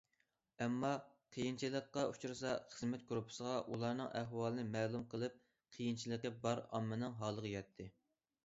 ئامما قىيىنچىلىققا ئۇچرىسا خىزمەت گۇرۇپپىسىغا ئۇلارنىڭ ئەھۋالىنى مەلۇم قىلىپ، قىيىنچىلىقى بار ئاممىنىڭ ھالىغا يەتتى.